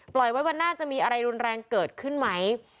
ไว้วันหน้าจะมีอะไรรุนแรงเกิดขึ้นไหม